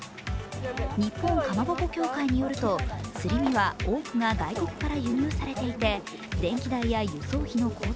日本かまぼこ協会によるとすり身は多くが外国から輸入されていて電気代や輸送費の高騰